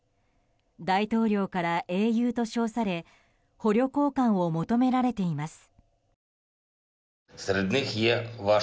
大統領から英雄と称され捕虜交換を求められています。